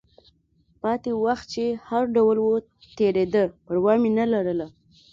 پاتې وخت چې هر ډول و، تېرېده، پروا مې نه لرله.